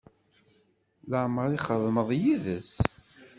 Leɛmeṛ i txedmeḍ yid-s?